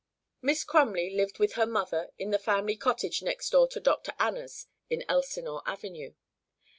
Miss Crumley lived with her mother in the family cottage next door to Dr. Anna's in Elsinore Avenue.